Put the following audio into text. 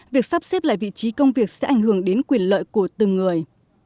việc sắp xếp lại vị trí công việc sẽ ảnh hưởng đến quyền lợi của từng người